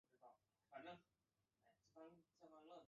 倪柝声接受了他的邀请。